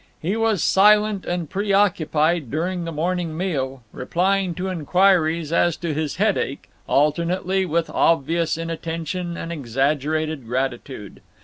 He was silent and preoccupied during the morning meal, replying to inquiries as to his headache, alternately, with obvious inattention and exaggerated gratitude.